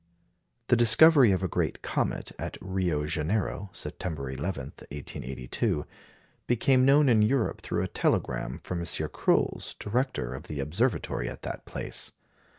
The discovery of a great comet at Rio Janeiro, September 11, 1882, became known in Europe through a telegram from M. Cruls, director of the observatory at that place.